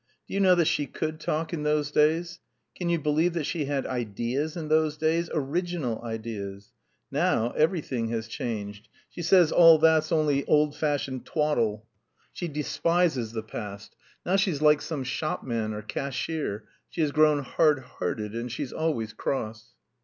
Do you know that she could talk in those days! Can you believe that she had ideas in those days, original ideas! Now, everything has changed! She says all that's only old fashioned twaddle. She despises the past.... Now she's like some shopman or cashier, she has grown hard hearted, and she's always cross...."